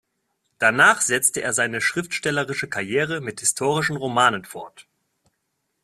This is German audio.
Danach setzte er seine schriftstellerische Karriere mit historischen Romanen fort.